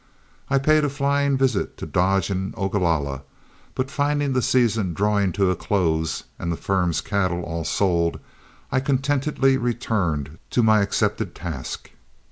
I paid a flying visit to Dodge and Ogalalla, but, finding the season drawing to a close and the firm's cattle all sold, I contentedly returned to my accepted task.